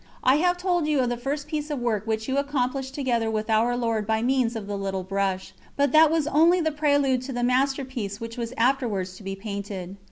I have told you of the first piece of work which you accomplished together with Our Lord by means of the little brush, but that was only the prelude to the masterpiece which was afterwards to be painted.